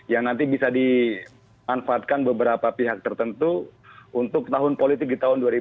yang nanti bisa dimanfaatkan beberapa pihak tertentu untuk tahun politik di tahun dua ribu dua puluh